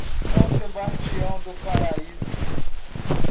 São Sebastião do Paraíso